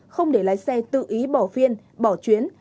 không để lái xe tự ý bỏ phiên bỏ chuyến